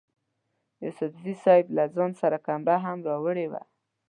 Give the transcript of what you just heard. یوسفزي صیب له ځان سره کمره هم راوړې وه.